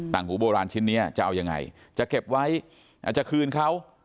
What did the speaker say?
หูโบราณชิ้นนี้จะเอายังไงจะเก็บไว้อาจจะคืนเขา